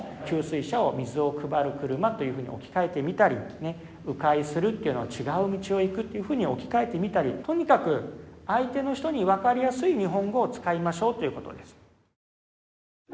「給水車」を「水をくばる車」というふうに置き換えてみたりね「う回する」というのを「ちがう道をいく」っていうふうに置き換えてみたりとにかく相手の人に分かりやすい日本語を使いましょうということです。